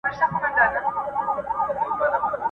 ډېر به درسي تر درشله جهاني به پیدا نه کې.!